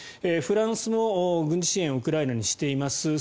フランスも軍事支援をウクライナにしています。